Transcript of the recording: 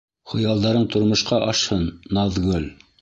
Хыялдарың тормошҡа ашһын, Наҙгөл!